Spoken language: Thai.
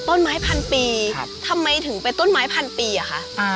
ต้นไม้พันปีทำไมถึงเป็นต้นไม้พันปีอ่ะคะ